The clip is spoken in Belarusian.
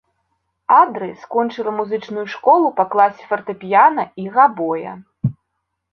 Адры скончыла музычную школу па класе фартэпіяна і габоя.